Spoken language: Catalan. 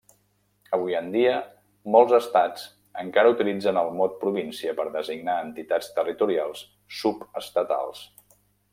Avui en dia, molts estats encara utilitzen el mot província per designar entitats territorials subestatals.